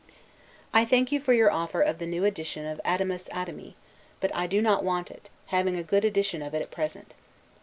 I thank you for your offer of the new edition of 'Adamus Adami,' but I do not want it, having a good edition of it at present.